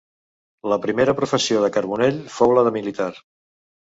La primera professió de Carbonell fou la de militar.